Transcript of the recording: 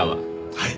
はい。